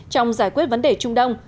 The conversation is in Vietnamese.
trong giải quyết vấn đề trung đông